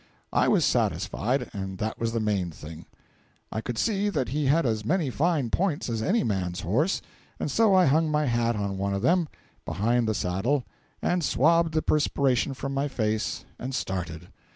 I was satisfied, and that was the main thing. I could see that he had as many fine points as any man's horse, and so I hung my hat on one of them, behind the saddle, and swabbed the perspiration from my face and started.